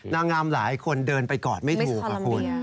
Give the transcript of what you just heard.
นางงามหลายคนเดินไปกอดไม่ถูกคุณ